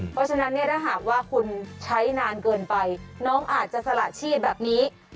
เพราะฉะนั้นเนี่ยถ้าหากว่าคุณใช้นานเกินไปน้องอาจจะสละชีพแบบนี้